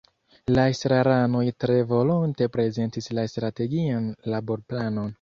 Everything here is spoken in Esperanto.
La estraranoj tre volonte prezentis la Strategian Laborplanon.